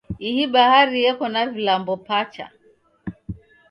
Ihi bahari yeko na vilambo pacha.